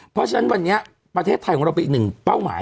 เพราะฉะนั้นวันนี้ประเทศไทยของเราเป็นอีกหนึ่งเป้าหมาย